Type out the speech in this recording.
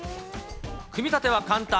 組み立ては簡単。